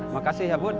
makasih ya bud